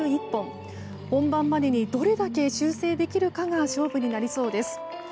本番までにどれだけ修正できるかが勝負になりそうです。